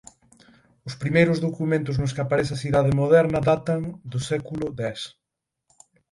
Os primeiros documentos nos que aparece a cidade moderna data do século X.